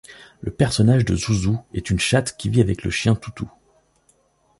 Le personnage de Zouzou est une chatte qui vit avec le chien Toutou.